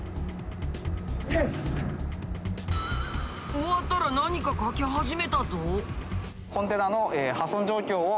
終わったら何か書き始めたぞ。